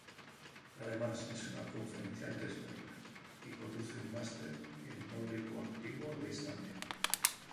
Además es una conferenciante experta, y conduce un "máster" en nórdico antiguo de Islandia.